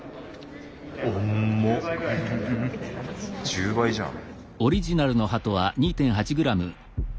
１０倍じゃん。